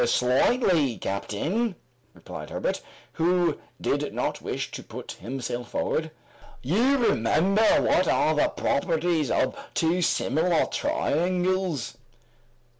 "Slightly, captain," replied Herbert, who did not wish to put himself forward. "You remember what are the properties of two similar triangles?"